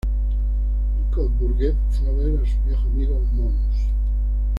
Ducaud-Bourget fue a ver a su viejo amigo Mons.